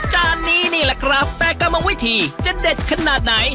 จานนี้นี่แหละครับแต่กรรมวิธีจะเด็ดขนาดไหน